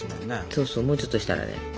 そうそうもうちょっとしたらね。